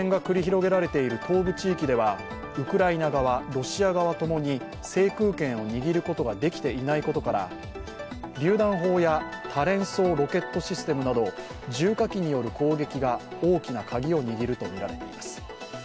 ウクライナ側、ロシア側ともに制空権を握ることができていないことからりゅう弾砲や多連装ロケットシステムなど重火器による攻撃が大きなカギを握るとみられています。